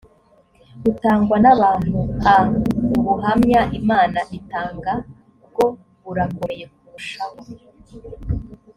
butangwa n abantu a ubuhamya imana itanga bwo burakomeye kurushaho